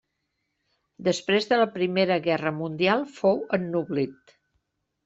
Després de la Primera Guerra Mundial fou ennoblit.